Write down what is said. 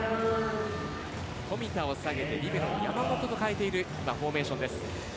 富田を下げてリベロの山本と代えているフォーメーションです。